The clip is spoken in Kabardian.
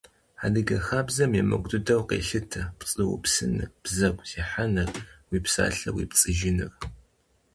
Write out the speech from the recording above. Адыгэ хабзэм емыкӀу дыдэу къелъытэ пцӀы упсыныр, бзэгу зехьэныр, уи псалъэ уепцӀыжыныр.